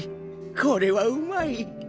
これはうまい！